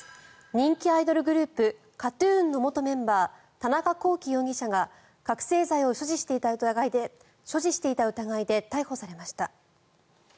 人気アイドルグループＫＡＴ−ＴＵＮの元メンバー、田中聖容疑者が覚醒剤を所持していた疑いで逮捕されました。